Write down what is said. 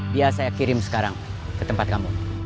biar saya kirim sekarang ke tempat kamu